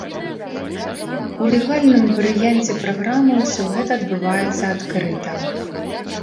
У легальным варыянце праграмы ўсё гэта адбываецца адкрыта.